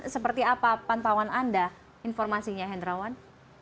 seperti apa pantauan anda informasinya hendrawan